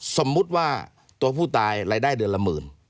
สมมุติว่าตัวผู้ตายรายได้เดือนละหมื่น